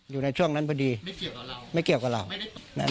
อยู่ในช่วงนั้นพอดีไม่เกี่ยวกับเราไม่เกี่ยวกับเรา